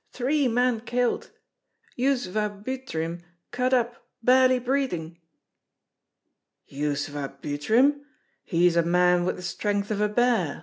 Three men killed; Yuzva Butrym cut up, barely breathing!" "Yuzva Butrym? He is a man with the strength of a bear!"